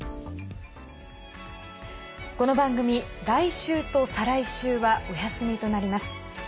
この番組、来週と再来週はお休みとなります。